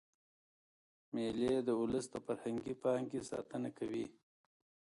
مېلې د اولس د فرهنګي پانګي ساتنه کوي.